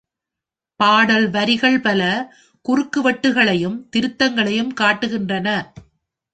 பாடல் வரிகள் பல குறுக்குவெட்டுகளையும் திருத்தங்களையும் காட்டுகின்றன.